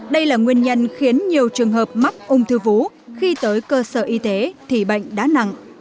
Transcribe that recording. đây là nguyên nhân khiến nhiều trường hợp mắc ung thư vú khi tới cơ sở y tế thì bệnh đá nặng